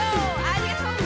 ありがとう！